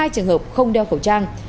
hai trường hợp không đeo khẩu trang